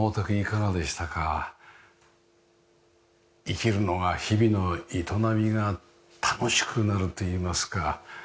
生きるのが日々の営みが楽しくなるといいますか。